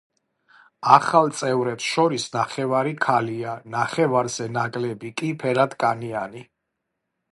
ახალ წევრებს შორის ნახევარი ქალია, ნახევარზე ნაკლები კი – ფერადკანიანი.